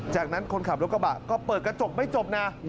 จากนั้นคนขับรถกระบะก็เปิดกระจกไม่จบนะ